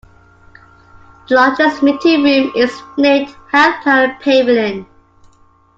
The largest meeting room is named Health Plan Pavilion.